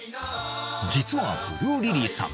実はブルーリリーさん